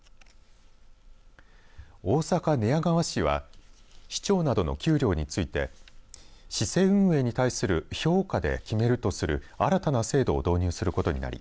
大阪、寝屋川市は市長などの給料について市政運営に対する評価で決めるとする新たな制度を導入することになり